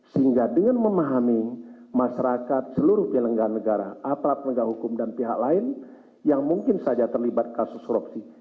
sehingga dengan memahami masyarakat seluruh penyelenggara negara aparat penegak hukum dan pihak lain yang mungkin saja terlibat kasus korupsi